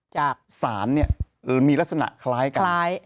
จากสารเนี่ยมีลักษณะคล้ายกัน